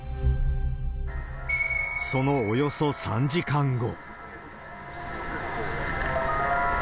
そのおよそ３時間後。